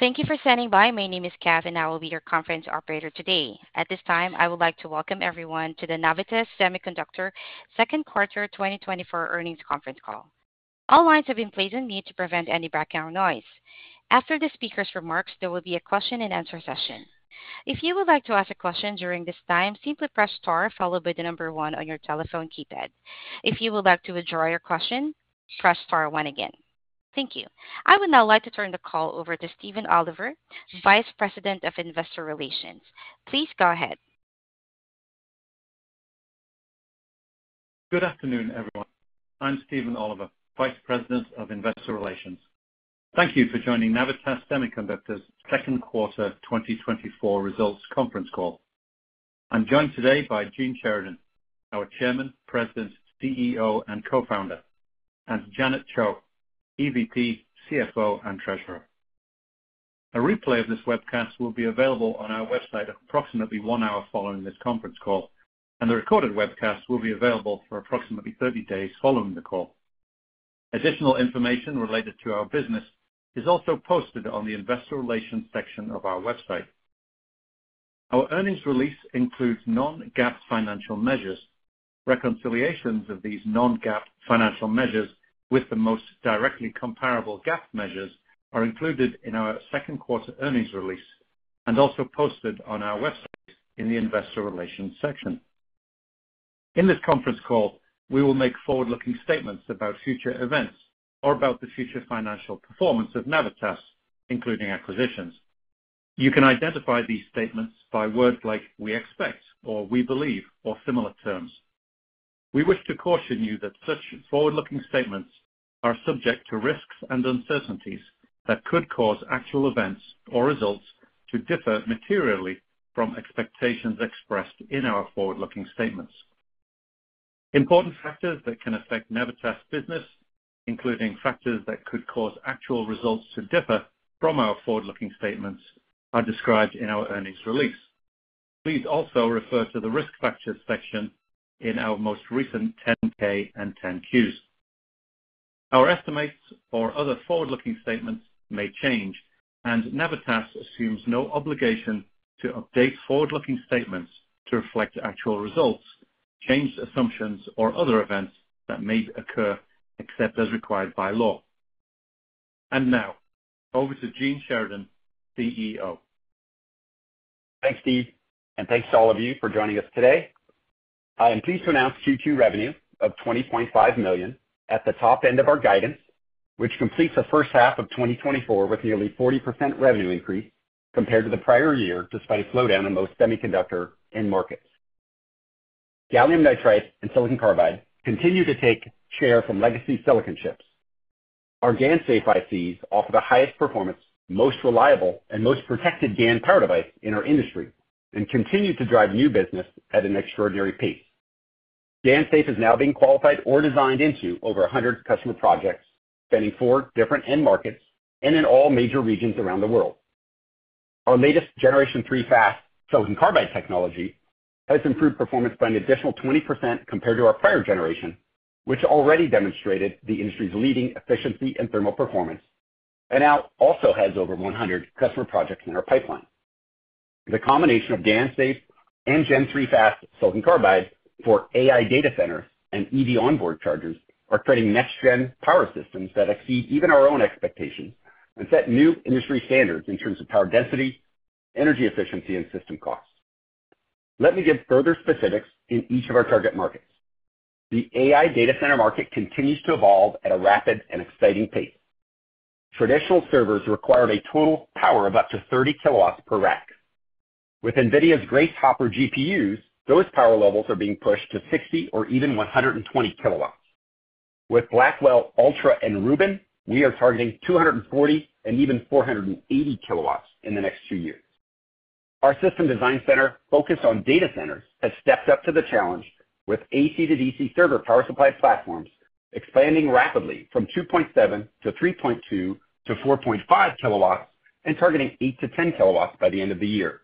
Thank you for standing by. My name is Kev, and I will be your conference operator today. At this time, I would like to welcome everyone to the Navitas Semiconductor Second Quarter 2024 Earnings Conference Call. All lines have been placed on mute to prevent any background noise. After the speaker's remarks, there will be a question-and-answer session. If you would like to ask a question during this time, simply press star followed by the number one on your telephone keypad. If you would like to withdraw your question, press star one again. Thank you. I would now like to turn the call over to Stephen Oliver, Vice President of Investor Relations. Please go ahead. Good afternoon, everyone. I'm Stephen Oliver, Vice President of Investor Relations. Thank you for joining Navitas Semiconductor's Second Quarter 2024 results conference call. I'm joined today by Gene Sheridan, our Chairman, President, CEO, and Co-founder, and Janet Chou, EVP, CFO, and Treasurer. A replay of this webcast will be available on our website approximately one hour following this conference call, and the recorded webcast will be available for approximately 30 days following the call. Additional information related to our business is also posted on the Investor Relations section of our website. Our earnings release includes non-GAAP financial measures. Reconciliations of these non-GAAP financial measures with the most directly comparable GAAP measures are included in our Second Quarter earnings release and also posted on our website in the Investor Relations section. In this conference call, we will make forward-looking statements about future events or about the future financial performance of Navitas, including acquisitions. You can identify these statements by words like "we expect" or "we believe" or similar terms. We wish to caution you that such forward-looking statements are subject to risks and uncertainties that could cause actual events or results to differ materially from expectations expressed in our forward-looking statements. Important factors that can affect Navitas business, including factors that could cause actual results to differ from our forward-looking statements, are described in our earnings release. Please also refer to the risk factors section in our most recent 10-K and 10-Qs. Our estimates or other forward-looking statements may change, and Navitas assumes no obligation to update forward-looking statements to reflect actual results, changed assumptions, or other events that may occur except as required by law. Now, over to Gene Sheridan, CEO. Thanks, Steve, and thanks to all of you for joining us today. I am pleased to announce Q2 revenue of $20.5 million at the top end of our guidance, which completes the first half of 2024 with nearly 40% revenue increase compared to the prior year, despite a slowdown in most semiconductor end markets. Gallium nitride and silicon carbide continue to take share from legacy silicon chips. Our GaNSafe ICs offer the highest performance, most reliable, and most protected GaN power device in our industry and continue to drive new business at an extraordinary pace. GaNSafe is now being qualified or designed into over 100 customer projects spanning four different end markets and in all major regions around the world. Our latest Gen-3 Fast Silicon Carbide technology has improved performance by an additional 20% compared to our prior generation, which already demonstrated the industry's leading efficiency and thermal performance, and now also has over 100 customer projects in our pipeline. The combination of GaNSafe and Gen-3 Fast Silicon Carbide for AI data centers and EV onboard chargers are creating next-gen power systems that exceed even our own expectations and set new industry standards in terms of power density, energy efficiency, and system costs. Let me give further specifics in each of our target markets. The AI data center market continues to evolve at a rapid and exciting pace. Traditional servers require a total power of up to 30 kW per rack. With NVIDIA's Grace Hopper GPUs, those power levels are being pushed to 60 or even 120 kW. With Blackwell Ultra and Rubin, we are targeting 240 and even 480 kW in the next two years. Our system design center, focused on data centers, has stepped up to the challenge with AC to DC server power supply platforms, expanding rapidly from 2.7-3.2 to 4.5 kW and targeting 8-10 kW by the end of the year.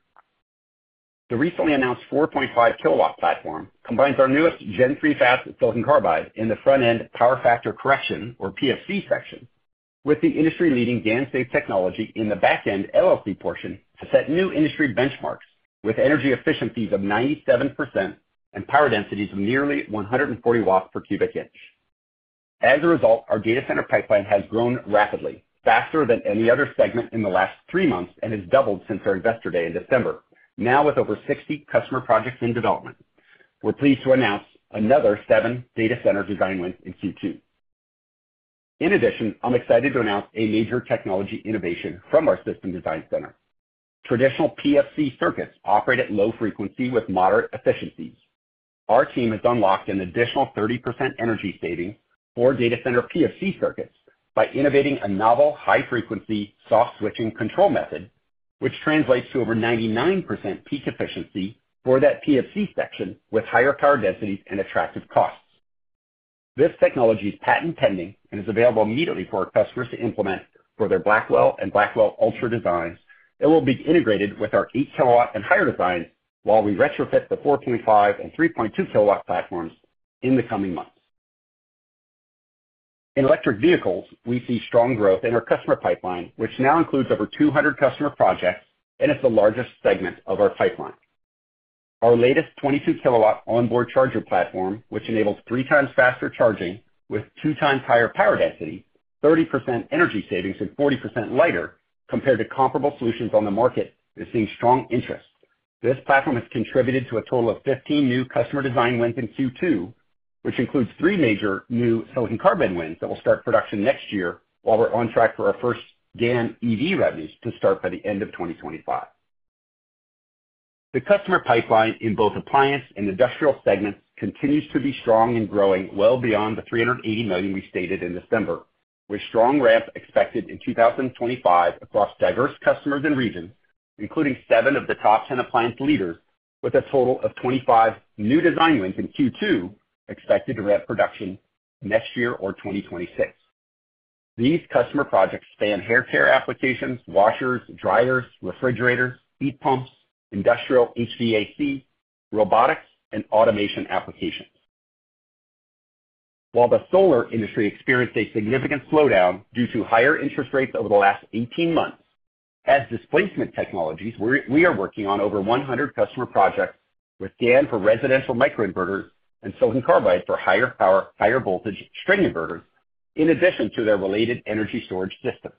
The recently announced 4.5 kW platform combines our newest Gen-3 Fast silicon carbide in the front-end power factor correction, or PFC, section with the industry-leading GaNSafe technology in the back-end LLC portion to set new industry benchmarks with energy efficiencies of 97% and power densities of nearly 140 W per cubic inch. As a result, our data center pipeline has grown rapidly, faster than any other segment in the last three months, and has doubled since our investor day in December, now with over 60 customer projects in development. We're pleased to announce another seven data center design wins in Q2. In addition, I'm excited to announce a major technology innovation from our system design center. Traditional PFC circuits operate at low frequency with moderate efficiencies. Our team has unlocked an additional 30% energy savings for data center PFC circuits by innovating a novel high-frequency soft switching control method, which translates to over 99% peak efficiency for that PFC section with higher power densities and attractive costs. This technology is patent pending and is available immediately for our customers to implement for their Blackwell and Blackwell Ultra designs. It will be integrated with our 8 kW and higher designs while we retrofit the 4.5 and 3.2-kW platforms in the coming months. In electric vehicles, we see strong growth in our customer pipeline, which now includes over 200 customer projects and is the largest segment of our pipeline. Our latest 22-kW onboard charger platform, which enables three times faster charging with two times higher power density, 30% energy savings, and 40% lighter compared to comparable solutions on the market, is seeing strong interest. This platform has contributed to a total of 15 new customer design wins in Q2, which includes three major new silicon carbide wins that will start production next year while we're on track for our first GaN EV revenues to start by the end of 2025. The customer pipeline in both appliance and industrial segments continues to be strong and growing well beyond the $380 million we stated in December, with strong ramp expected in 2025 across diverse customers and regions, including seven of the top 10 appliance leaders, with a total of 25 new design wins in Q2 expected to ramp production next year or 2026. These customer projects span hair care applications, washers, dryers, refrigerators, heat pumps, industrial HVAC, robotics, and automation applications. While the solar industry experienced a significant slowdown due to higher interest rates over the last 18 months, as displacement technologies, we are working on over 100 customer projects with GaN for residential microinverters and silicon carbide for higher power, higher voltage string inverters, in addition to their related energy storage systems.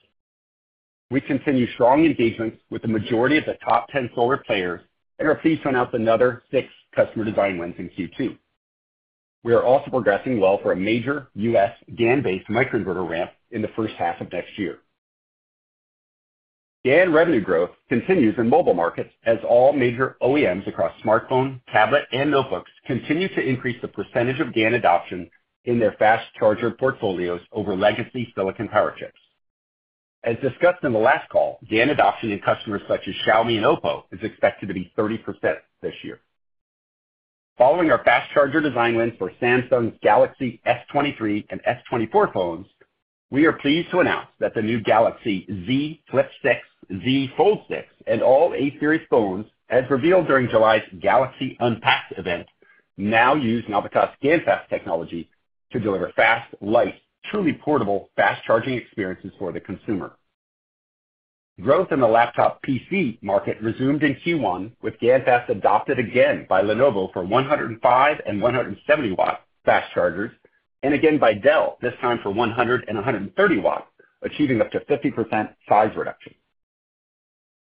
We continue strong engagements with the majority of the top 10 solar players and are pleased to announce another six customer design wins in Q2. We are also progressing well for a major U.S. GaN-based microinverter ramp in the first half of next year. GaN revenue growth continues in mobile markets as all major OEMs across smartphone, tablet, and notebooks continue to increase the percentage of GaN adoption in their fast charger portfolios over legacy silicon power chips. As discussed in the last call, GaN adoption in customers such as Xiaomi and Oppo is expected to be 30% this year. Following our fast charger design wins for Samsung's Galaxy S23 and S24 phones, we are pleased to announce that the new Galaxy Z Flip 6, Z Fold 6, and all A-series phones, as revealed during July's Galaxy Unpacked event, now use Navitas GaNFast technology to deliver fast, light, truly portable fast charging experiences for the consumer. Growth in the laptop PC market resumed in Q1, with GaNFast adopted again by Lenovo for 105- and 170-watt fast chargers, and again by Dell, this time for 100- and 130-watt, achieving up to 50% size reduction.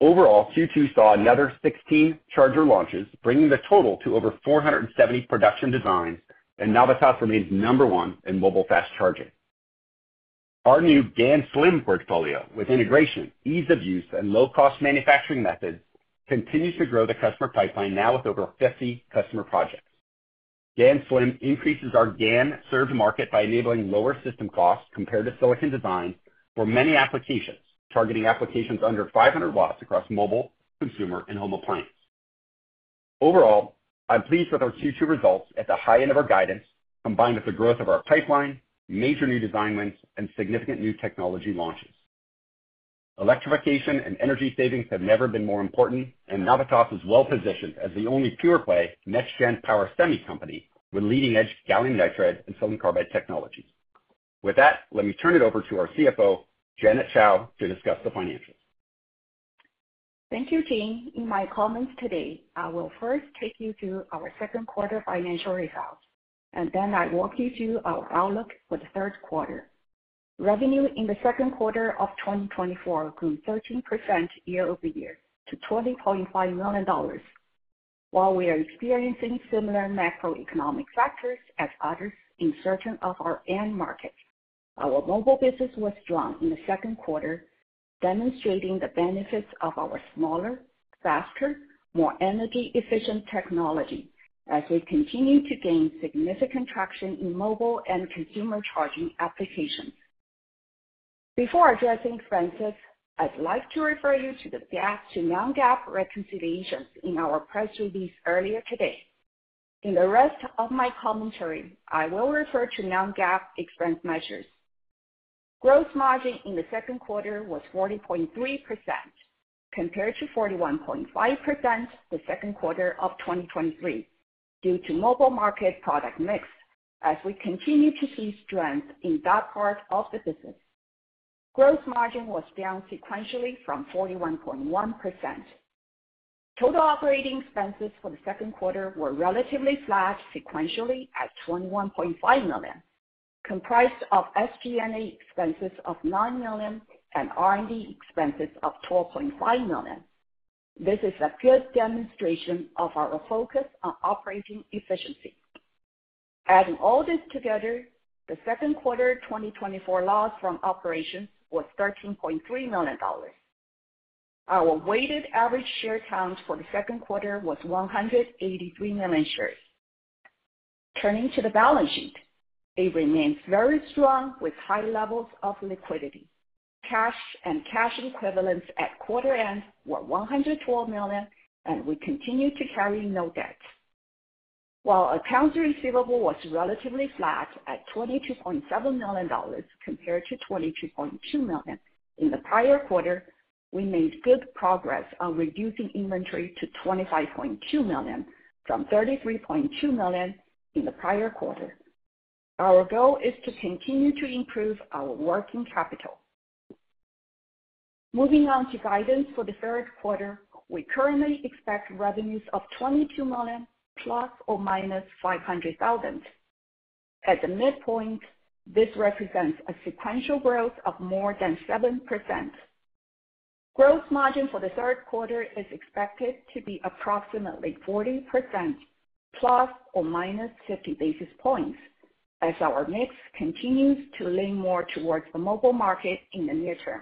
Overall, Q2 saw another 16 charger launches, bringing the total to over 470 production designs, and Navitas remains number one in mobile fast charging. Our new GaNSlim portfolio, with integration, ease of use, and low-cost manufacturing methods, continues to grow the customer pipeline now with over 50 customer projects. GaNSlim increases our GaN served market by enabling lower system costs compared to silicon design for many applications, targeting applications under 500 watts across mobile, consumer, and home appliance. Overall, I'm pleased with our Q2 results at the high end of our guidance, combined with the growth of our pipeline, major new design wins, and significant new technology launches. Electrification and energy savings have never been more important, and Navitas is well positioned as the only pure-play next-gen power semi company with leading-edge gallium nitride and silicon carbide technologies. With that, let me turn it over to our CFO, Janet Chou, to discuss the financials. Thank you, Gene. In my comments today, I will first take you through our second quarter financial results, and then I'll walk you through our outlook for the third quarter. Revenue in the second quarter of 2024 grew 13% year-over-year to $20.5 million. While we are experiencing similar macroeconomic factors as others in certain of our end markets, our mobile business was strong in the second quarter, demonstrating the benefits of our smaller, faster, more energy-efficient technology as we continue to gain significant traction in mobile and consumer charging applications. Before addressing expenses, I'd like to refer you to the GAAP-to-non-GAAP reconciliations in our press release earlier today. In the rest of my commentary, I will refer to non-GAAP expense measures. Gross margin in the second quarter was 40.3% compared to 41.5% the second quarter of 2023 due to mobile market product mix as we continue to see strength in that part of the business. Gross margin was down sequentially from 41.1%. Total operating expenses for the second quarter were relatively flat sequentially at $21.5 million, comprised of SG&A expenses of $9 million and R&D expenses of $12.5 million. This is a good demonstration of our focus on operating efficiency. Adding all this together, the second quarter 2024 loss from operations was $13.3 million. Our weighted average share count for the second quarter was 183 million shares. Turning to the balance sheet, it remains very strong with high levels of liquidity. Cash and cash equivalents at quarter end were $112 million, and we continue to carry no debt. While accounts receivable was relatively flat at $22.7 million compared to $22.2 million in the prior quarter, we made good progress on reducing inventory to $25.2 million from $33.2 million in the prior quarter. Our goal is to continue to improve our working capital. Moving on to guidance for the third quarter, we currently expect revenues of $22 million plus or minus $500,000. At the midpoint, this represents a sequential growth of more than 7%. Gross margin for the third quarter is expected to be approximately 40% plus or minus 50 basis points as our mix continues to lean more towards the mobile market in the near term.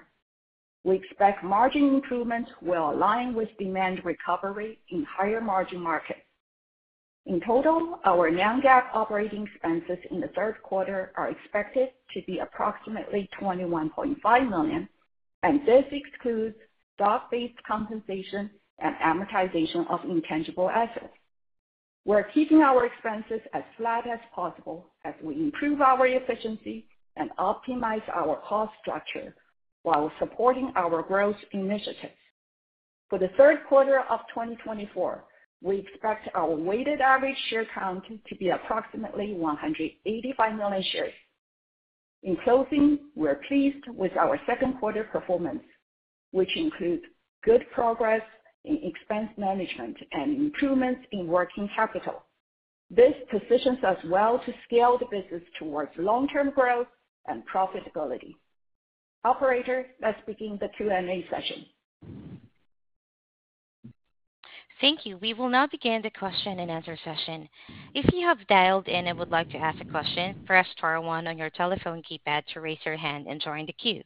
We expect margin improvements will align with demand recovery in higher margin markets. In total, our non-GAAP operating expenses in the third quarter are expected to be approximately $21.5 million, and this excludes stock-based compensation and amortization of intangible assets. We're keeping our expenses as flat as possible as we improve our efficiency and optimize our cost structure while supporting our growth initiatives. For the third quarter of 2024, we expect our weighted average share count to be approximately 185 million shares. In closing, we're pleased with our second quarter performance, which includes good progress in expense management and improvements in working capital. This positions us well to scale the business towards long-term growth and profitability. Operator, let's begin the Q&A session. Thank you. We will now begin the question and answer session. If you have dialed in and would like to ask a question, press star one on your telephone keypad to raise your hand and join the queue.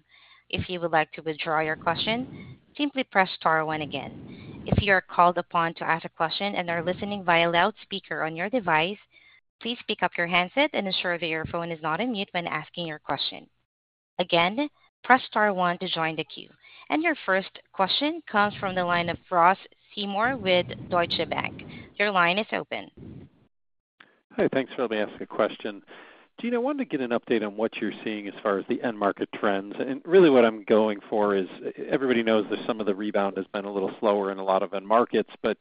If you would like to withdraw your question, simply press star one again. If you are called upon to ask a question and are listening via loudspeaker on your device, please pick up your handset and ensure that your phone is not on mute when asking your question. Again, press star one to join the queue. Your first question comes from the line of Ross Seymour with Deutsche Bank. Your line is open. Hi, thanks for letting me ask a question. Gene, I wanted to get an update on what you're seeing as far as the end market trends. And really what I'm going for is everybody knows that some of the rebound has been a little slower in a lot of end markets, but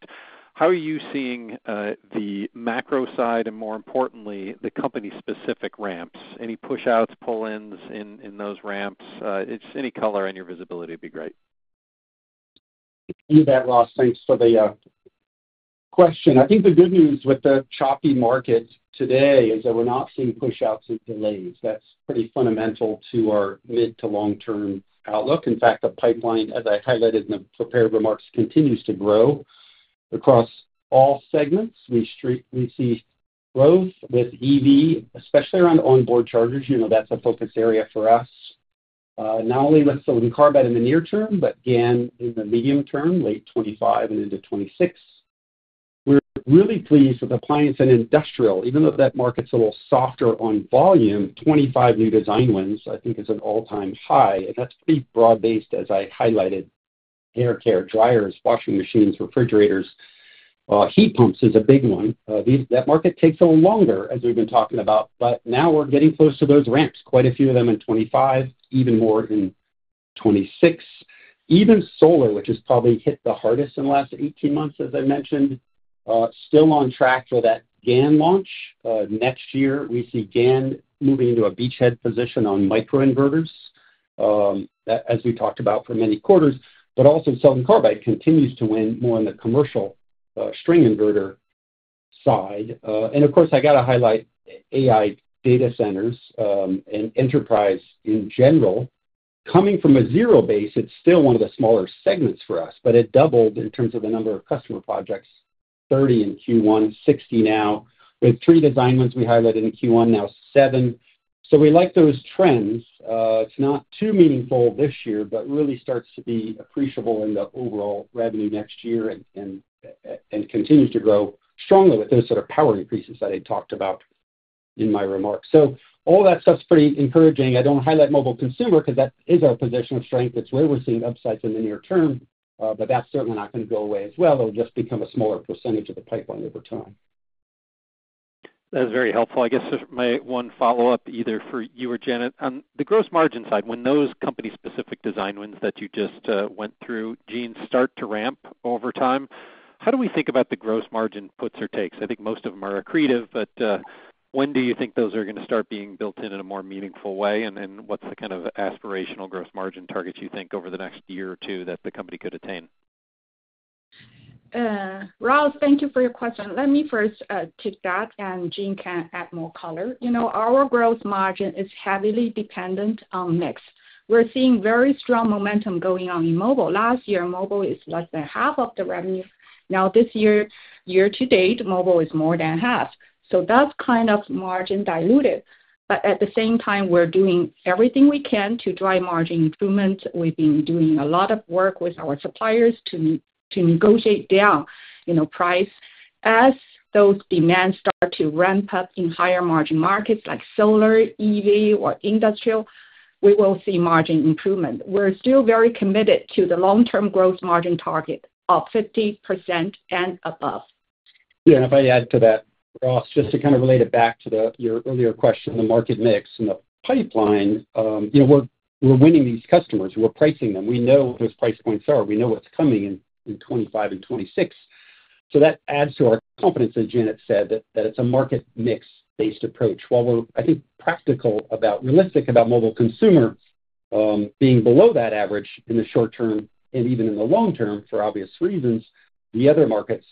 how are you seeing the macro side and, more importantly, the company-specific ramps? Any push-outs, pull-ins in those ramps? Just any color on your visibility would be great. Thank you, Ross Seymour, for the question. I think the good news with the choppy market today is that we're not seeing push-outs and delays. That's pretty fundamental to our mid to long-term outlook. In fact, the pipeline, as I highlighted in the prepared remarks, continues to grow across all segments. We see growth with EV, especially around onboard chargers. That's a focus area for us, not only with silicon carbide in the near term, but GaN in the medium term, late 2025 and into 2026. We're really pleased with appliance and industrial, even though that market's a little softer on volume. 25 new design wins, I think, is an all-time high. And that's pretty broad-based, as I highlighted. Hair care, dryers, washing machines, refrigerators, heat pumps is a big one. That market takes a little longer, as we've been talking about, but now we're getting close to those ramps, quite a few of them in 2025, even more in 2026. Even solar, which has probably hit the hardest in the last 18 months, as I mentioned, still on track for that GaN launch. Next year, we see GaN moving into a beachhead position on microinverters, as we talked about for many quarters, but also silicon carbide continues to win more in the commercial string inverter side. And of course, I got to highlight AI data centers and enterprise in general. Coming from a zero base, it's still one of the smaller segments for us, but it doubled in terms of the number of customer projects: 30 in Q1, 60 now, with three design wins we highlighted in Q1, now seven. So we like those trends. It's not too meaningful this year, but really starts to be appreciable in the overall revenue next year and continues to grow strongly with those sort of power increases that I talked about in my remarks. So all that stuff's pretty encouraging. I don't highlight mobile consumer because that is our position of strength. It's where we're seeing upsides in the near term, but that's certainly not going to go away as well. It'll just become a smaller percentage of the pipeline over time. That was very helpful. I guess my one follow-up, either for you or Janet, on the gross margin side, when those company-specific design wins that you just went through, Gene, start to ramp over time, how do we think about the gross margin puts or takes? I think most of them are accretive, but when do you think those are going to start being built in in a more meaningful way? And what's the kind of aspirational gross margin targets you think over the next year or two that the company could attain? Ross, thank you for your question. Let me first take that, and Gene can add more color. Our gross margin is heavily dependent on mix. We're seeing very strong momentum going on in mobile. Last year, mobile was less than half of the revenue. Now, this year, year to date, mobile is more than half. So that's kind of margin diluted. But at the same time, we're doing everything we can to drive margin improvements. We've been doing a lot of work with our suppliers to negotiate down price. As those demands start to ramp up in higher margin markets like solar, EV, or industrial, we will see margin improvement. We're still very committed to the long-term gross margin target of 50% and above. Yeah, and if I add to that, Ross, just to kind of relate it back to your earlier question, the market mix and the pipeline, we're winning these customers. We're pricing them. We know what those price points are. We know what's coming in 2025 and 2026. So that adds to our confidence, as Janet said, that it's a market-mix-based approach. While we're, I think, practical and realistic about mobile consumer being below that average in the short term and even in the long term for obvious reasons, the other markets,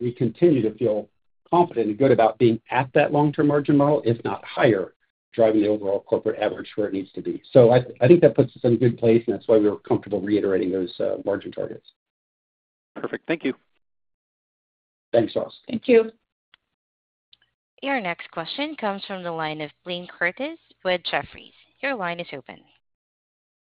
we continue to feel confident and good about being at that long-term margin model, if not higher, driving the overall corporate average where it needs to be. So I think that puts us in a good place, and that's why we were comfortable reiterating those margin targets. Perfect. Thank you. Thanks, Ross. Thank you. Your next question comes from the line of Blaine Curtis with Jefferies. Your line is open.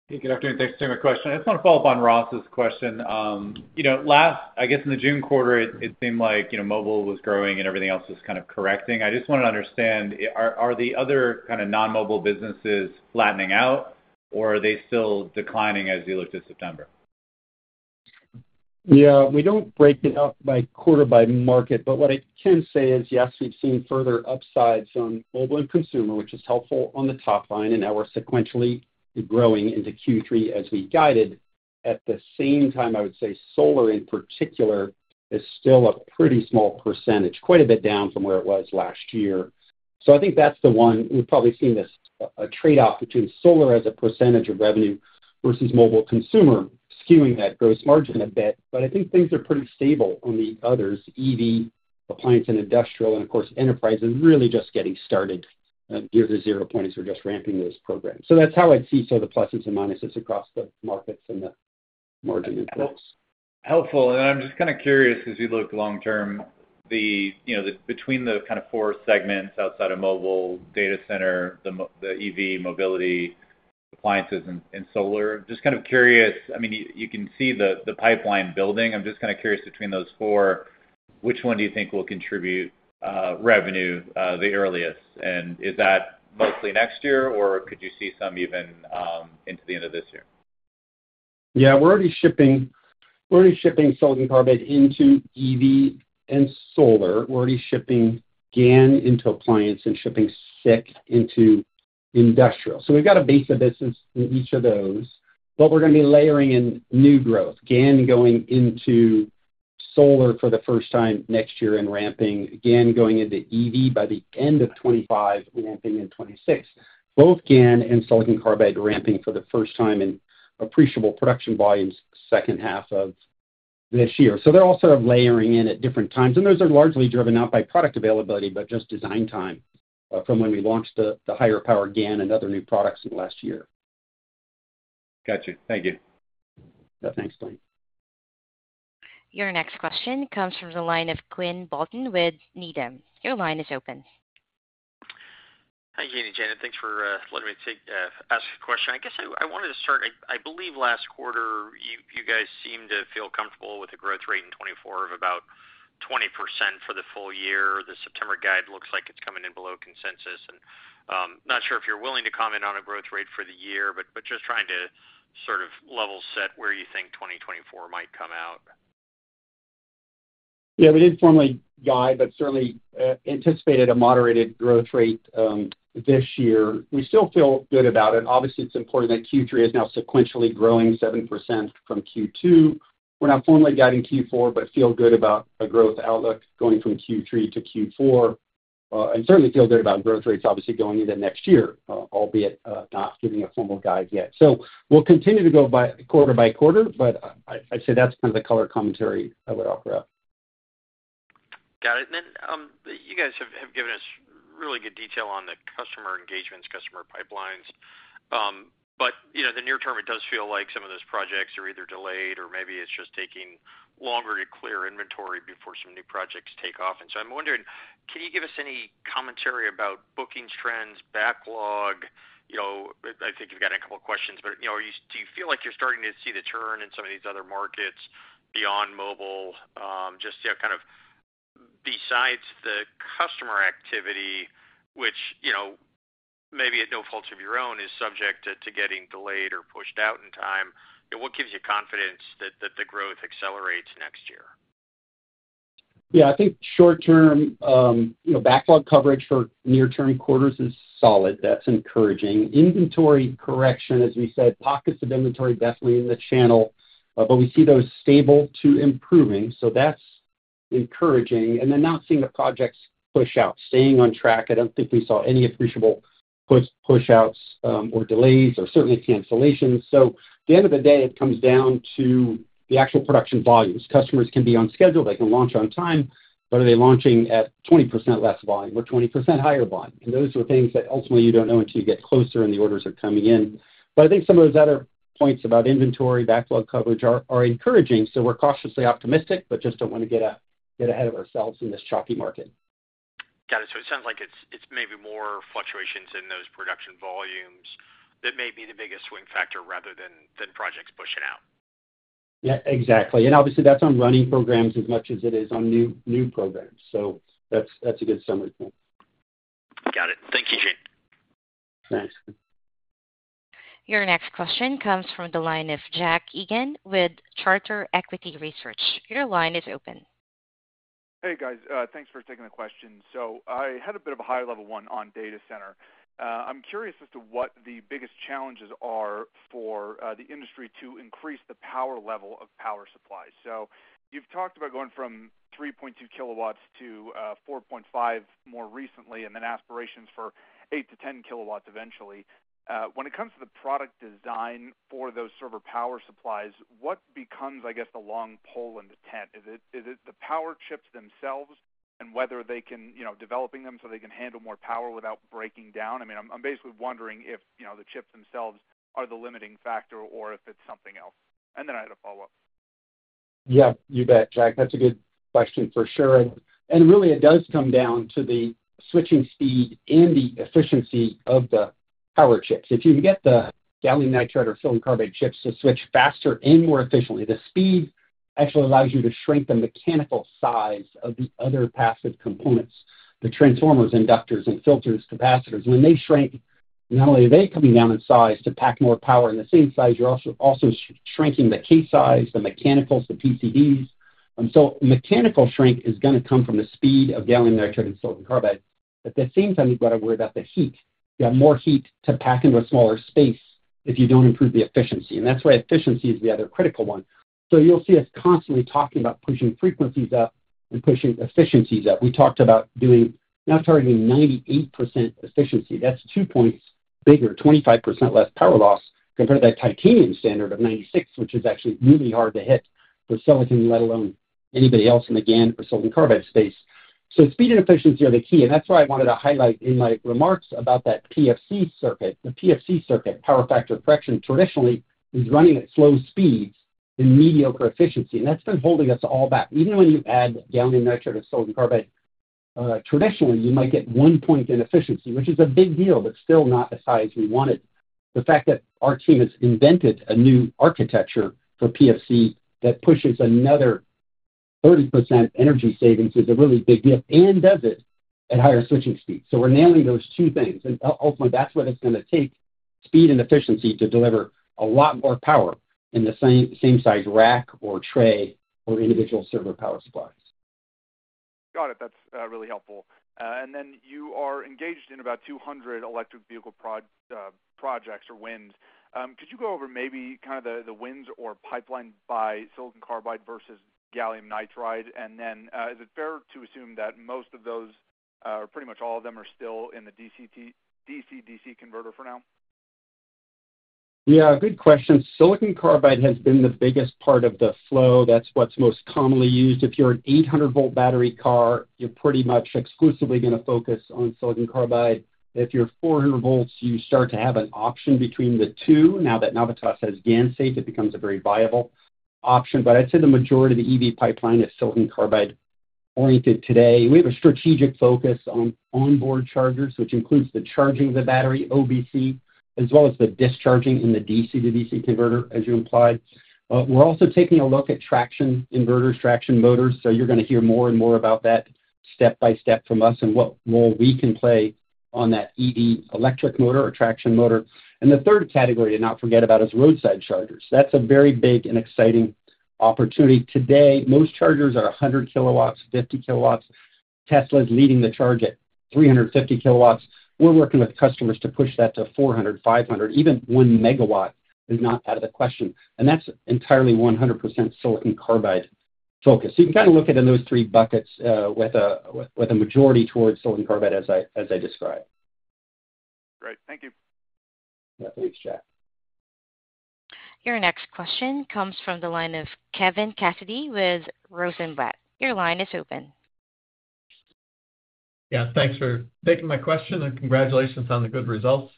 Hey, good afternoon. Thanks for taking my question. I just want to follow up on Ross's question. Last, I guess in the June quarter, it seemed like mobile was growing and everything else was kind of correcting. I just want to understand, are the other kind of non-mobile businesses flattening out, or are they still declining as you looked at September? Yeah, we don't break it up by quarter by market, but what I can say is, yes, we've seen further upsides on mobile and consumer, which is helpful on the top line, and now we're sequentially growing into Q3 as we guided. At the same time, I would say solar in particular is still a pretty small percentage, quite a bit down from where it was last year. So I think that's the one we've probably seen a trade-off between solar as a percentage of revenue versus mobile consumer skewing that gross margin a bit. But I think things are pretty stable on the others, EV, appliance, and industrial, and of course, enterprise is really just getting started. Near the zero point as we're just ramping this program. So that's how I'd see some of the pluses and minuses across the markets and the margin inputs. Helpful. I'm just kind of curious, as you look long term, between the kind of four segments outside of mobile, data center, the EV, mobility, appliances, and solar, just kind of curious, I mean, you can see the pipeline building. I'm just kind of curious between those four, which one do you think will contribute revenue the earliest? And is that mostly next year, or could you see some even into the end of this year? Yeah, we're already shipping silicon carbide into EV and solar. We're already shipping GaN into appliance and shipping SiC into industrial. So we've got a base of business in each of those, but we're going to be layering in new growth. GaN going into solar for the first time next year and ramping. GaN going into EV by the end of 2025, ramping in 2026. Both GaN and silicon carbide ramping for the first time in appreciable production volumes second half of this year. So they're all sort of layering in at different times. Those are largely driven not by product availability, but just design time from when we launched the higher power GaN and other new products in the last year. Gotcha. Thank you. Yeah, thanks, Blaine. Your next question comes from the line of Quinn Bolton with Needham. Your line is open. Hi, Gene and Janet. Thanks for letting me ask a question. I guess I wanted to start. I believe last quarter, you guys seemed to feel comfortable with a growth rate in 2024 of about 20% for the full year. The September guide looks like it's coming in below consensus. I'm not sure if you're willing to comment on a growth rate for the year, but just trying to sort of level set where you think 2024 might come out. Yeah, we didn't formally guide, but certainly anticipated a moderated growth rate this year. We still feel good about it. Obviously, it's important that Q3 is now sequentially growing 7% from Q2. We're not formally guiding Q4, but feel good about a growth outlook going from Q3 to Q4. And certainly feel good about growth rates obviously going into next year, albeit not giving a formal guide yet. So we'll continue to go by quarter by quarter, but I'd say that's kind of the color commentary I would offer. Got it. And then you guys have given us really good detail on the customer engagements, customer pipelines. But the near term, it does feel like some of those projects are either delayed or maybe it's just taking longer to clear inventory before some new projects take off. And so I'm wondering, can you give us any commentary about bookings trends, backlog? I think you've got a couple of questions, but do you feel like you're starting to see the turn in some of these other markets beyond mobile? Just kind of besides the customer activity, which maybe at no fault of your own is subject to getting delayed or pushed out in time, what gives you confidence that the growth accelerates next year? Yeah, I think short-term backlog coverage for near-term quarters is solid. That's encouraging. Inventory correction, as we said, pockets of inventory definitely in the channel, but we see those stable to improving. So that's encouraging. And then not seeing the projects push out, staying on track. I don't think we saw any appreciable push-outs or delays or certainly cancellations. So at the end of the day, it comes down to the actual production volumes. Customers can be on schedule. They can launch on time, but are they launching at 20% less volume or 20% higher volume? And those are things that ultimately you don't know until you get closer and the orders are coming in. But I think some of those other points about inventory backlog coverage are encouraging. So we're cautiously optimistic, but just don't want to get ahead of ourselves in this choppy market. Got it. So it sounds like it's maybe more fluctuations in those production volumes that may be the biggest swing factor rather than projects pushing out. Yeah, exactly. And obviously, that's on running programs as much as it is on new programs. So that's a good summary point. Got it. Thank you, Gene. Thanks. Your next question comes from the line of Jack Egan with Charter Equity Research. Your line is open. Hey, guys. Thanks for taking the question. So I had a bit of a high-level one on data center. I'm curious as to what the biggest challenges are for the industry to increase the power level of power supplies. So you've talked about going from 3.2 kW-4.5 kW more recently, and then aspirations for 8-10 kW eventually. When it comes to the product design for those server power supplies, what becomes, I guess, the long pole in the tent? Is it the power chips themselves and whether they can develop them so they can handle more power without breaking down? I mean, I'm basically wondering if the chips themselves are the limiting factor or if it's something else. And then I had a follow-up. Yeah, you bet, Jack. That's a good question for sure. Really, it does come down to the switching speed and the efficiency of the power chips. If you can get the gallium nitride or silicon carbide chips to switch faster and more efficiently, the speed actually allows you to shrink the mechanical size of the other passive components: the transformers, inductors, and filters, capacitors. When they shrink, not only are they coming down in size to pack more power in the same size, you're also shrinking the case size, the mechanicals, the PCBs. So mechanical shrink is going to come from the speed of gallium nitride and silicon carbide. At the same time, you've got to worry about the heat. You have more heat to pack into a smaller space if you don't improve the efficiency. That's why efficiency is the other critical one. So you'll see us constantly talking about pushing frequencies up and pushing efficiencies up. We talked about doing now targeting 98% efficiency. That's two points bigger, 25% less power loss compared to that titanium standard of 96%, which is actually really hard to hit for silicon, let alone anybody else in the GaN or silicon carbide space. So speed and efficiency are the key. And that's why I wanted to highlight in my remarks about that PFC circuit. The PFC circuit, power factor correction, traditionally is running at slow speeds and mediocre efficiency. And that's been holding us all back. Even when you add gallium nitride or silicon carbide, traditionally, you might get one point in efficiency, which is a big deal, but still not the size we wanted. The fact that our team has invented a new architecture for PFC that pushes another 30% energy savings is a really big deal and does it at higher switching speeds. We're nailing those two things. Ultimately, that's what it's going to take: speed and efficiency to deliver a lot more power in the same size rack or tray or individual server power supplies. Got it. That's really helpful. And then you are engaged in about 200 electric vehicle projects or wins. Could you go over maybe kind of the wins or pipeline by silicon carbide versus gallium nitride? And then is it fair to assume that most of those, or pretty much all of them, are still in the DC-DC converter for now? Yeah, good question. Silicon carbide has been the biggest part of the flow. That's what's most commonly used. If you're an 800-volt battery car, you're pretty much exclusively going to focus on silicon carbide. If you're 400 volts, you start to have an option between the two. Now that Navitas has GaNSafe, it becomes a very viable option. But I'd say the majority of the EV pipeline is silicon carbide oriented today. We have a strategic focus on onboard chargers, which includes the charging of the battery, OBC, as well as the discharging in the DC-DC converter, as you implied. We're also taking a look at traction inverters, traction motors. So you're going to hear more and more about that step by step from us and what role we can play on that EV electric motor or traction motor. The third category to not forget about is roadside chargers. That's a very big and exciting opportunity today. Most chargers are 100 kW, 50 kW. Tesla is leading the charge at 350 kW. We're working with customers to push that to 400-500 kW. Even 1 MW is not out of the question. And that's entirely 100% silicon carbide focus. So you can kind of look at it in those three buckets with a majority towards silicon carbide, as I described. Great. Thank you. Yeah, thanks, Jack. Your next question comes from the line of Kevin Cassidy with Rosenblatt. Your line is open. Yeah, thanks for taking my question and congratulations on the good results.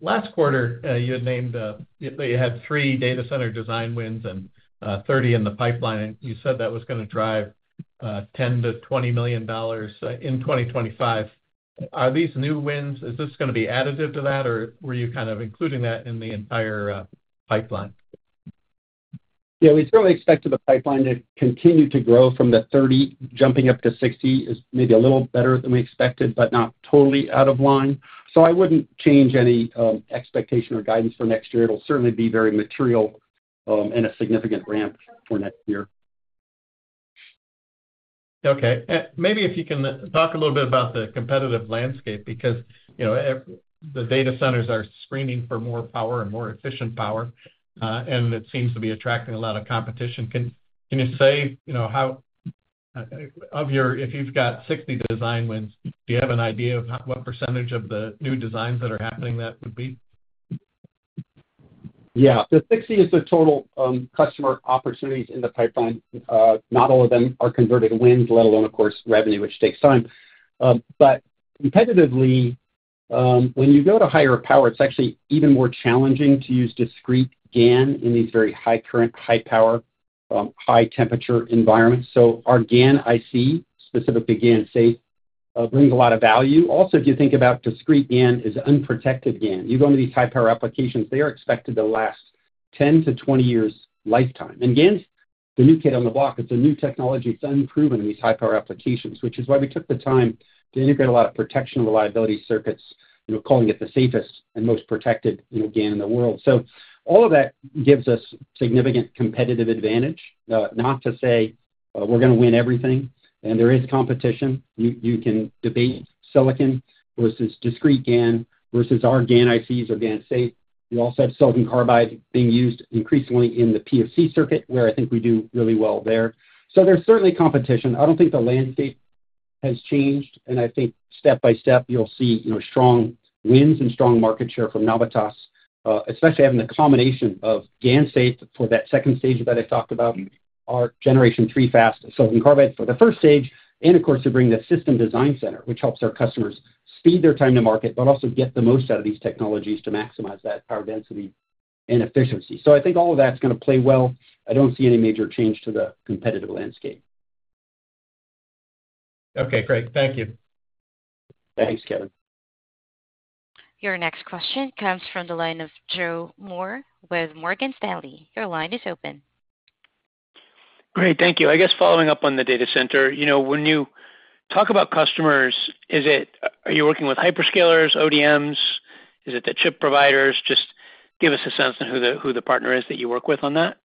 Last quarter, you had named that you had three data center design wins and 30 in the pipeline. And you said that was going to drive $10 million-$20 million in 2025. Are these new wins? Is this going to be additive to that, or were you kind of including that in the entire pipeline? Yeah, we certainly expected the pipeline to continue to grow from the 30, jumping up to 60 is maybe a little better than we expected, but not totally out of line. So I wouldn't change any expectation or guidance for next year. It'll certainly be very material and a significant ramp for next year. Okay. Maybe if you can talk a little bit about the competitive landscape, because the data centers are screaming for more power and more efficient power, and it seems to be attracting a lot of competition. Can you say how of your if you've got 60 design wins? Do you have an idea of what percentage of the new designs that are happening that would be? Yeah. The 60 is the total customer opportunities in the pipeline. Not all of them are converted wins, let alone, of course, revenue, which takes time. But competitively, when you go to higher power, it's actually even more challenging to use discrete GaN in these very high current, high power, high temperature environments. So our GaN IC, specifically GaNSafe, brings a lot of value. Also, if you think about discrete GaN, it is unprotected GaN. You go into these high power applications, they are expected to last 10-20 years lifetime. And GaN is the new kid on the block. It's a new technology. It's unproven in these high power applications, which is why we took the time to integrate a lot of protection reliability circuits, calling it the safest and most protected GaN in the world. So all of that gives us significant competitive advantage. Not to say we're going to win everything. There is competition. You can debate silicon versus discrete GaN versus our GaN ICs or GaNSafe. We also have silicon carbide being used increasingly in the PFC circuit, where I think we do really well there. There's certainly competition. I don't think the landscape has changed. I think step by step, you'll see strong wins and strong market share from Navitas, especially having the combination of GaNSafe for that second stage that I talked about, our generation three fast silicon carbide for the first stage, and of course, to bring the system design center, which helps our customers speed their time to market, but also get the most out of these technologies to maximize that power density and efficiency. I think all of that's going to play well. I don't see any major change to the competitive landscape. Okay, great. Thank you. Thanks, Kevin. Your next question comes from the line of Joe Moore with Morgan Stanley. Your line is open. Great. Thank you. I guess following up on the data center, when you talk about customers, are you working with hyperscalers, ODMs? Is it the chip providers? Just give us a sense on who the partner is that you work with on that?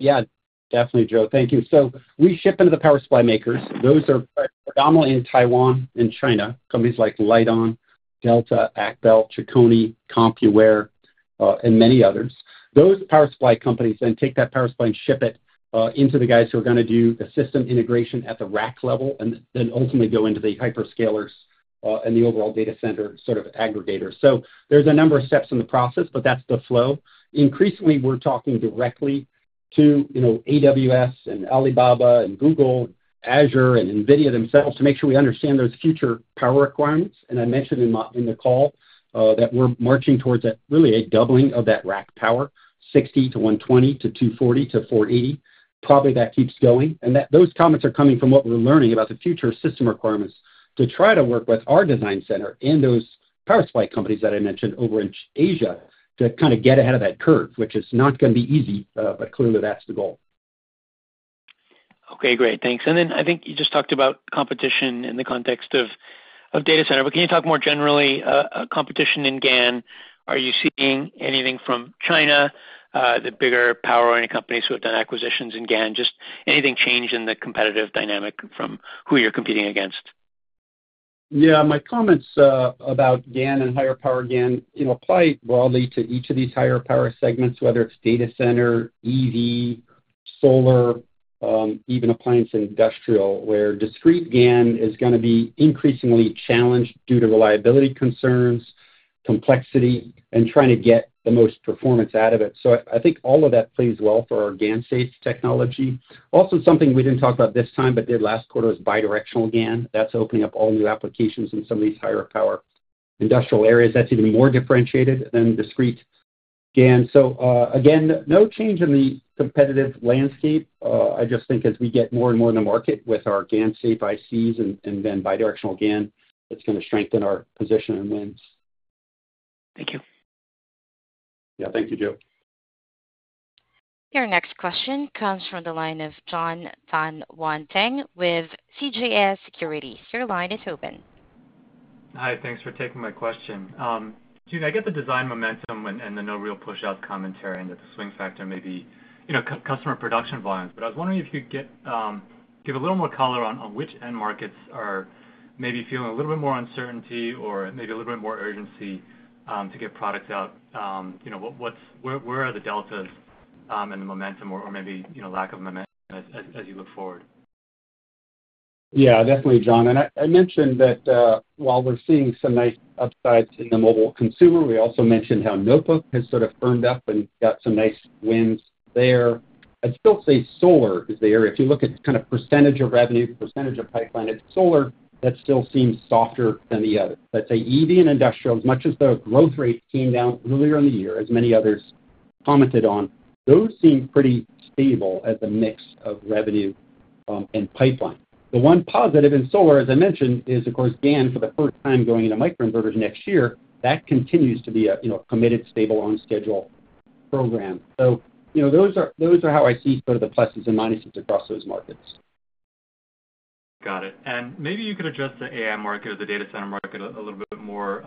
Yeah, definitely, Joe. Thank you. So we ship into the power supply makers. Those are predominantly in Taiwan and China, companies like Lite-On, Delta, AcBel, Chicony, Compuware, and many others. Those power supply companies then take that power supply and ship it into the guys who are going to do the system integration at the rack level and then ultimately go into the hyperscalers and the overall data center sort of aggregator. So there's a number of steps in the process, but that's the flow. Increasingly, we're talking directly to AWS and Alibaba and Google and Azure and NVIDIA themselves to make sure we understand those future power requirements. And I mentioned in the call that we're marching towards really a doubling of that rack power, 60-120 to 240-480. Probably that keeps going. Those comments are coming from what we're learning about the future system requirements to try to work with our design center and those power supply companies that I mentioned over in Asia to kind of get ahead of that curve, which is not going to be easy, but clearly that's the goal. Okay, great. Thanks. And then I think you just talked about competition in the context of data center, but can you talk more generally about competition in GaN? Are you seeing anything from China, the bigger power owning companies who have done acquisitions in GaN? Just anything change in the competitive dynamic from who you're competing against? Yeah, my comments about GaN and higher power GaN apply broadly to each of these higher power segments, whether it's data center, EV, solar, even appliance industrial, where discrete GaN is going to be increasingly challenged due to reliability concerns, complexity, and trying to get the most performance out of it. So I think all of that plays well for our GaNSafe technology. Also something we didn't talk about this time, but did last quarter is bidirectional GaN. That's opening up all new applications in some of these higher power industrial areas. That's even more differentiated than discrete GaN. So again, no change in the competitive landscape. I just think as we get more and more in the market with our GaNSafe ICs and then bidirectional GaN, it's going to strengthen our position and wins. Thank you. Yeah, thank you, Joe. Your next question comes from the line of Jonathan Tanwanteng with CJS Securities. Your line is open. Hi, thanks for taking my question. June, I get the design momentum and the no real push-out commentary and that the swing factor may be customer production volumes, but I was wondering if you could give a little more color on which end markets are maybe feeling a little bit more uncertainty or maybe a little bit more urgency to get products out. Where are the deltas and the momentum or maybe lack of momentum as you look forward? Yeah, definitely, John. And I mentioned that while we're seeing some nice upsides in the mobile consumer, we also mentioned how Notebook has sort of firmed up and got some nice wins there. I'd still say solar is the area. If you look at kind of percentage of revenue, percentage of pipeline, it's solar that still seems softer than the others. I'd say EV and industrial, as much as the growth rate came down earlier in the year, as many others commented on, those seem pretty stable as a mix of revenue and pipeline. The one positive in solar, as I mentioned, is of course GaN for the first time going into microinverters next year. That continues to be a committed, stable on-schedule program. So those are how I see sort of the pluses and minuses across those markets. Got it. And maybe you could address the AI market or the data center market a little bit more.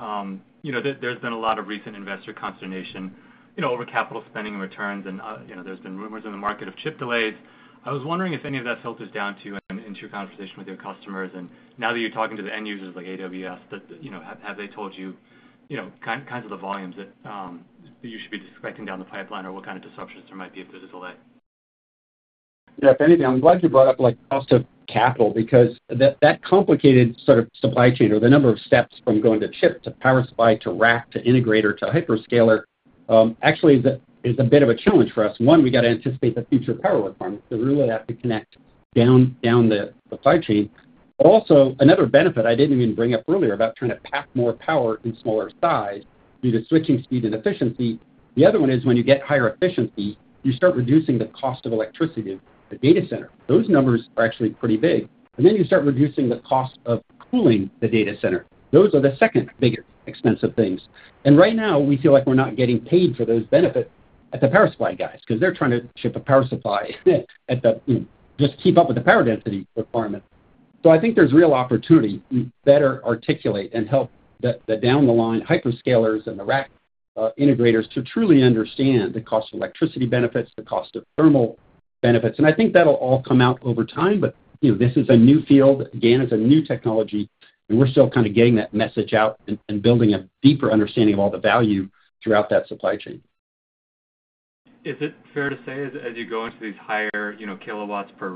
There's been a lot of recent investor consternation over capital spending and returns, and there's been rumors in the market of chip delays. I was wondering if any of that filters down to you and into your conversation with your customers. And now that you're talking to the end users like AWS, have they told you kinds of the volumes that you should be expecting down the pipeline or what kind of disruptions there might be if there's a delay? Yeah, if anything, I'm glad you brought up cost of capital because that complicated sort of supply chain or the number of steps from going to chip to power supply to rack to integrator to hyperscaler actually is a bit of a challenge for us. One, we got to anticipate the future power requirements. They really have to connect down the supply chain. But also another benefit I didn't even bring up earlier about trying to pack more power in smaller size due to switching speed and efficiency. The other one is when you get higher efficiency, you start reducing the cost of electricity at the data center. Those numbers are actually pretty big. And then you start reducing the cost of cooling the data center. Those are the second biggest expensive things. Right now, we feel like we're not getting paid for those benefits at the power supply guys because they're trying to ship a power supply at the just keep up with the power density requirements. So I think there's real opportunity to better articulate and help the down-the-line hyperscalers and the rack integrators to truly understand the cost of electricity benefits, the cost of thermal benefits. I think that'll all come out over time, but this is a new field. GaN is a new technology, and we're still kind of getting that message out and building a deeper understanding of all the value throughout that supply chain. Is it fair to say, as you go into these higher kilowatts per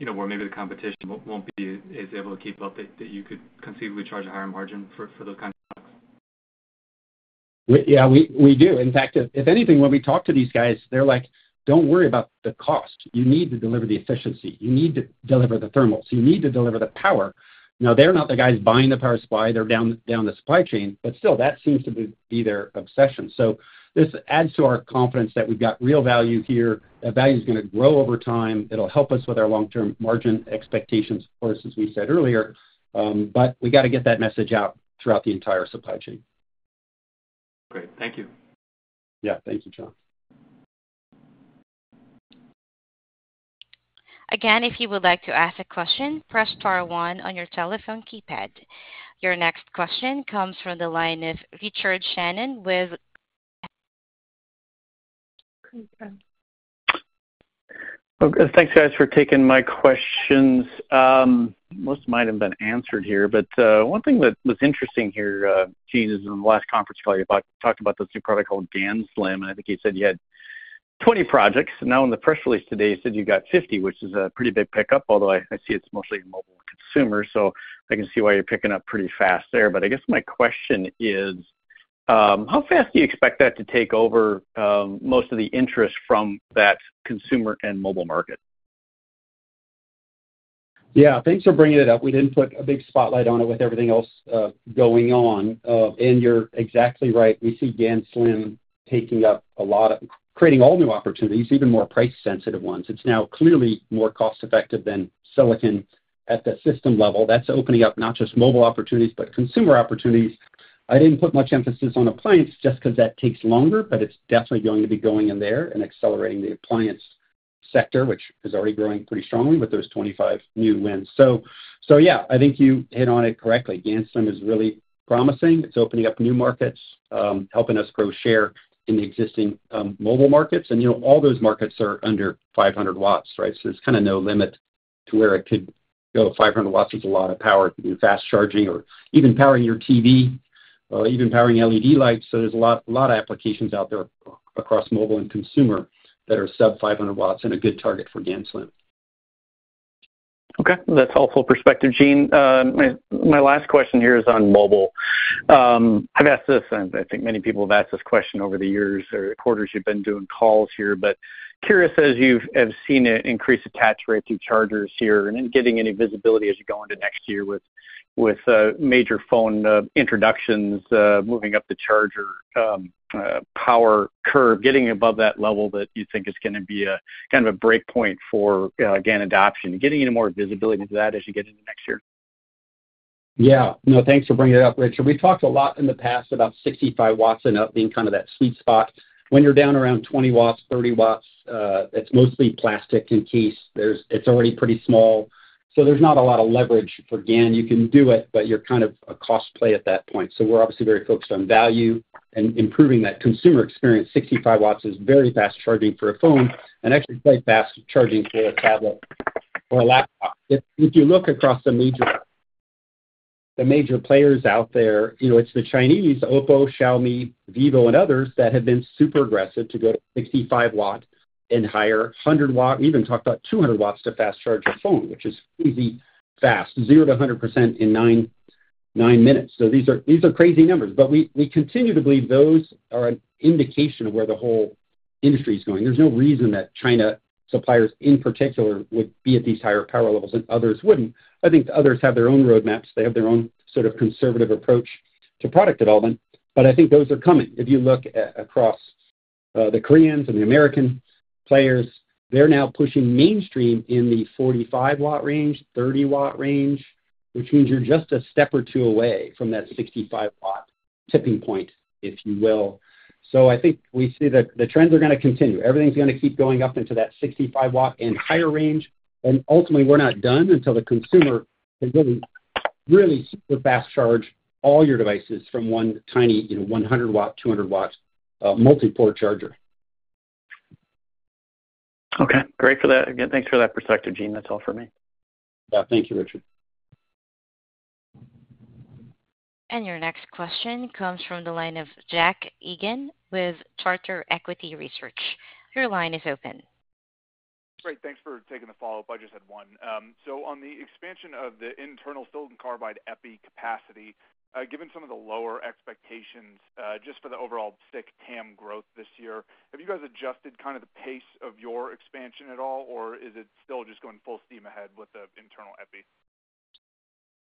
rack, where maybe the competition won't be as able to keep up, that you could conceivably charge a higher margin for those kinds of products? Yeah, we do. In fact, if anything, when we talk to these guys, they're like, "Don't worry about the cost. You need to deliver the efficiency. You need to deliver the thermals. You need to deliver the power." Now, they're not the guys buying the power supply. They're down the supply chain. But still, that seems to be their obsession. So this adds to our confidence that we've got real value here. That value is going to grow over time. It'll help us with our long-term margin expectations, of course, as we said earlier. But we got to get that message out throughout the entire supply chain. Great. Thank you. Yeah, thank you, John. Again, if you would like to ask a question, press star one on your telephone keypad. Your next question comes from the line of Richard Shannon with. Thanks, guys, for taking my questions. Most of mine have been answered here, but one thing that was interesting here, Gene, is in the last conference call, you talked about this new product called GaNSlim, and I think you said you had 20 projects. Now, in the press release today, you said you got 50, which is a pretty big pickup, although I see it's mostly mobile consumers. So I can see why you're picking up pretty fast there. But I guess my question is, how fast do you expect that to take over most of the interest from that consumer and mobile market? Yeah, thanks for bringing it up. We didn't put a big spotlight on it with everything else going on. You're exactly right. We see GaNSlim taking up a lot of creating all new opportunities, even more price-sensitive ones. It's now clearly more cost-effective than silicon at the system level. That's opening up not just mobile opportunities, but consumer opportunities. I didn't put much emphasis on appliance just because that takes longer, but it's definitely going to be going in there and accelerating the appliance sector, which is already growing pretty strongly with those 25 new wins. So yeah, I think you hit on it correctly. GaNSlim is really promising. It's opening up new markets, helping us grow share in the existing mobile markets. And all those markets are under 500 W, right? So there's kind of no limit to where it could go. 500 watts is a lot of power to do fast charging or even powering your TV, even powering LED lights. So there's a lot of applications out there across mobile and consumer that are sub-500 watts and a good target for GaNSlim. Okay, that's helpful perspective, Gene. My last question here is on mobile. I've asked this, and I think many people have asked this question over the years or quarters you've been doing calls here, but curious as you have seen an increased attach rate through chargers here and getting any visibility as you go into next year with major phone introductions, moving up the charger power curve, getting above that level that you think is going to be a kind of a breakpoint for GaN adoption and getting any more visibility to that as you get into next year? Yeah. No, thanks for bringing it up, Richard. We've talked a lot in the past about 65 watts and being kind of that sweet spot. When you're down around 20 watts, 30 watts, it's mostly plastic in case. It's already pretty small. So there's not a lot of leverage for GaN. You can do it, but you're kind of a cost play at that point. So we're obviously very focused on value and improving that consumer experience. 65 watts is very fast charging for a phone and actually quite fast charging for a tablet or a laptop. If you look across the major players out there, it's the Chinese: Oppo, Xiaomi, Vivo, and others that have been super aggressive to go to 65 watts and higher, 100 watts, even talked about 200 watts to fast charge a phone, which is easy, fast, 0-100% in 9 minutes. So these are crazy numbers, but we continue to believe those are an indication of where the whole industry is going. There's no reason that China suppliers in particular would be at these higher power levels and others wouldn't. I think others have their own roadmaps. They have their own sort of conservative approach to product development, but I think those are coming. If you look across the Koreans and the American players, they're now pushing mainstream in the 45-watt range, 30-watt range, which means you're just a step or two away from that 65-watt tipping point, if you will. So I think we see that the trends are going to continue. Everything's going to keep going up into that 65-watt and higher range. And ultimately, we're not done until the consumer can really, really super fast charge all your devices from one tiny 100-watt, 200-watt multi-port charger. Okay, great for that. Again, thanks for that perspective, Gene. That's all for me. Yeah, thank you, Richard. Your next question comes from the line of Jack Egan with Charter Equity Research. Your line is open. Great. Thanks for taking the follow-up. I just had one. So on the expansion of the internal silicon carbide EPI capacity, given some of the lower expectations just for the overall SiC TAM growth this year, have you guys adjusted kind of the pace of your expansion at all, or is it still just going full steam ahead with the internal EPI?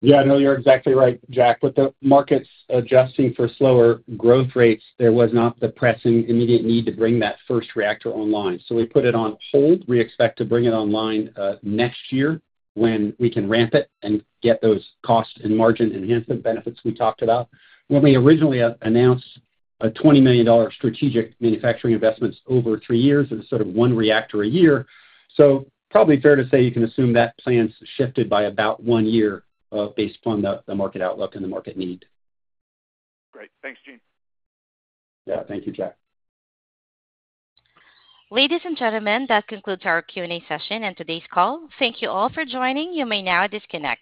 Yeah, no, you're exactly right, Jack. With the markets adjusting for slower growth rates, there was not the pressing immediate need to bring that first reactor online. So we put it on hold. We expect to bring it online next year when we can ramp it and get those cost and margin enhancement benefits we talked about. When we originally announced a $20 million strategic manufacturing investments over three years and sort of one reactor a year, so probably fair to say you can assume that plan's shifted by about one year based upon the market outlook and the market need. Great. Thanks, Gene. Yeah, thank you, Jack. Ladies and gentlemen, that concludes our Q&A session and today's call. Thank you all for joining. You may now disconnect.